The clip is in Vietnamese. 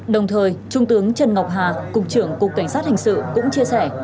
đồng thời trung tướng trần ngọc hà cục trưởng cục cảnh sát hình sự cũng chia sẻ